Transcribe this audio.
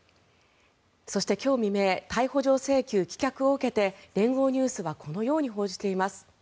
そして、今日未明逮捕状請求棄却を受けて聯合ニュースはこのように報じています。